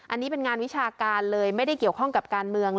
อันนี้เป็นงานวิชาการเลยไม่ได้เกี่ยวข้องกับการเมือง